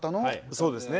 そうですね。